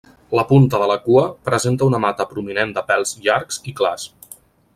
La punta de la cua presenta una mata prominent de pèls llargs i clars.